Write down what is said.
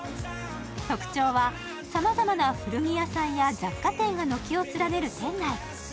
特徴はさまざまな古着屋さんや雑貨店が軒を連ねる店内。